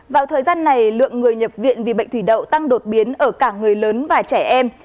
vào thời gian này lượng người nhập viện vì bệnh thủy đậu tăng đột biến ở cả người lớn và trẻ em